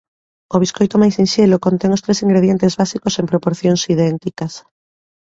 O biscoito máis sinxelo contén os tres ingredientes básicos en proporcións idénticas.